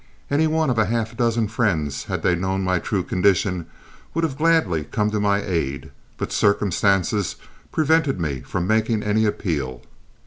Any one of half a dozen friends, had they known my true condition, would have gladly come to my aid, but circumstances prevented me from making any appeal.